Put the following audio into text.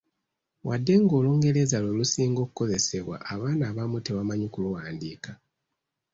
Wadde nga Olungereza lwe lusinga okukozesebwa, abaana abamu tebamanyi kuluwandiika.